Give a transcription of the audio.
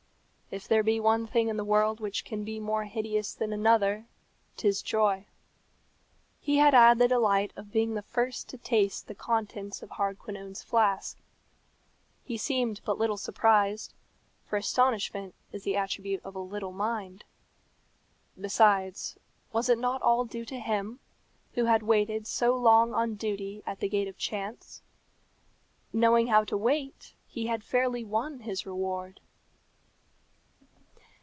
If there be one thing in the world which can be more hideous than another, 'tis joy. He had had the delight of being the first to taste the contents of Hardquanonne's flask. He seemed but little surprised, for astonishment is the attribute of a little mind. Besides, was it not all due to him, who had waited so long on duty at the gate of chance? Knowing how to wait, he had fairly won his reward.